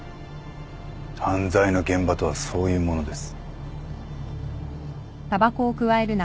犯罪の現場とはそういうものです。